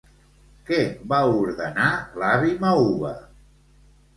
Què va ordenar l'avi Mauva?